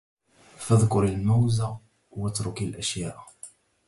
فاذكر المَوز واتركِ الأشياءَ